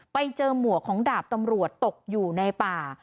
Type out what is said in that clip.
ไปเจอหมวกของดาบตำรวจตกอยู่ในป่า